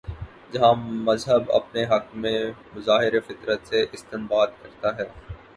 جہاں مذہب اپنے حق میں مظاہر فطرت سے استنباط کر تا ہے۔